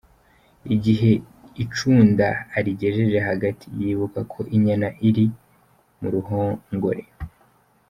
Igihe icunda arigejeje hagati, yibuka ko inyana ikiri mu ruhongore.